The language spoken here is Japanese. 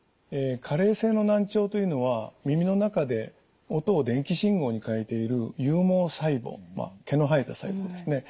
加齢性の難聴というのは耳の中で音を電気信号に変えている有毛細胞毛の生えた細胞ですね。